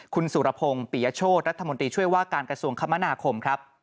คุณสุรพงศ์ปียโชธรัฐมนตรีช่วยว่าการกระทรวงคมนาคมครับ